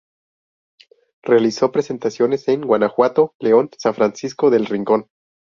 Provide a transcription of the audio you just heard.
Realizó presentaciones en Guanajuato, León, San Francisco del Rincón.